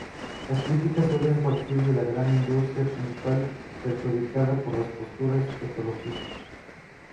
Las críticas suelen partir de la gran industria, principal perjudicada por las posturas ecologistas.